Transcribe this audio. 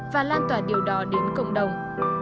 và lan tỏa điều đó đến cộng đồng